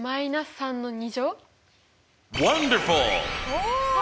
お！